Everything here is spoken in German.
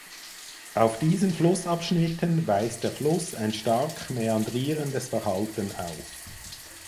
Auf diesen Flussabschnitten weist der Fluss ein stark mäandrierendes Verhalten auf.